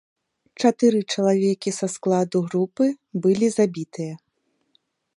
Чатыры чалавекі са складу групы былі забітыя.